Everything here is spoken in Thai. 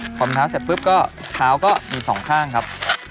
พอมเท้าเสร็จปุ๊บก็เท้าก็มีสองข้างครับ